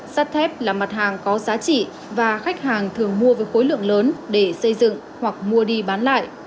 sắt thép là mặt hàng có giá trị và khách hàng thường mua với khối lượng lớn để xây dựng hoặc mua đi bán lại